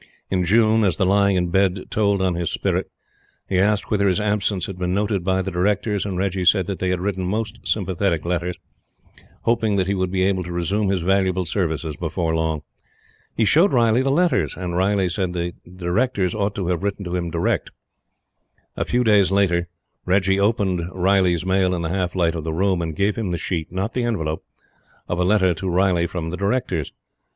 In June, as the lying in bed told on his spirit, he asked whether his absence had been noted by the Directors, and Reggie said that they had written most sympathetic letters, hoping that he would be able to resume his valuable services before long. He showed Riley the letters: and Riley said that the Directors ought to have written to him direct. A few days later, Reggie opened Riley's mail in the half light of the room, and gave him the sheet not the envelope of a letter to Riley from the Directors.